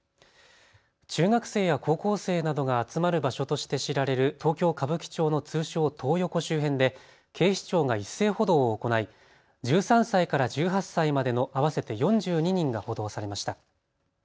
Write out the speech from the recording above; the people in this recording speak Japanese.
中学生や高校生などが集まる場所として知られる東京歌舞伎町の通称トー横周辺で警視庁が一斉補導を行い１３歳から１８歳までの合わせて４２人が補導されました。